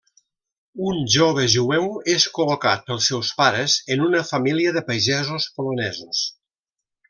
Un jove jueu és col·locat pels seus pares en una família de pagesos polonesos.